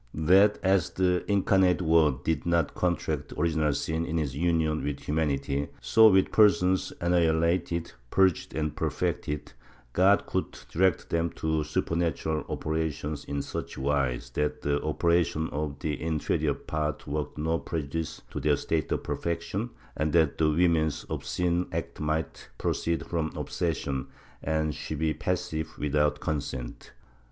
That, as the Incarnate Word did not contract original sin in his union with humanity, so with persons annihilated, purged and perfected, God could direct them to supernatural operations in such wise that the operations of the inferior part worked no prejudice to their state of perfec tion, and that the woman's obscene acts might proceed from obsession, and she be passive without consent